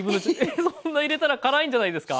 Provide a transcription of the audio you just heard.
えっそんな入れたら辛いんじゃないですか？